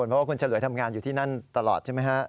เพราะว่าคุณเฉลวยทำงานอยู่ที่นั่นตลอดใช่ไหมฮะ